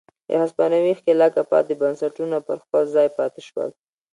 له هسپانوي ښکېلاکه پاتې بنسټونه پر خپل ځای پاتې شول.